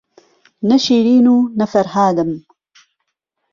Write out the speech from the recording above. نە شیرین و نە فەرهادم